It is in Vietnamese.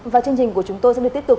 và chương trình của chúng tôi sẽ tiếp tục